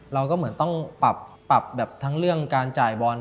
เราก็เหมือนต้องปรับแบบทั้งเรื่องการจ่ายบอล